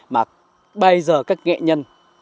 mà bây giờ các nghệ nhân giảng xeo